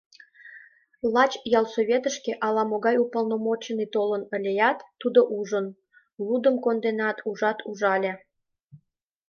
Лач ялсоветышке ала-могай уполномоченный толын ылят, тудо ужын: «Лудым конденат, ужат, ужале!»